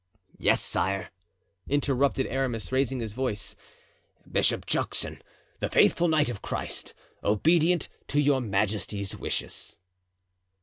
"Yes, sire," interrupted Aramis, raising his voice, "Bishop Juxon, the faithful knight of Christ, obedient to your majesty's wishes."